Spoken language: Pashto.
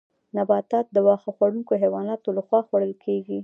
نباتات د واښه خوړونکو حیواناتو لخوا خوړل کیږي